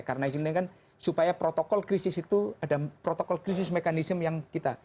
tidak pernah kita pakai karena ini kan supaya protokol krisis itu ada protokol krisis mekanisme yang kita